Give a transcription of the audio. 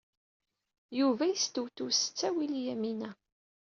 Yuba yestewtew s ttawil i Yamina.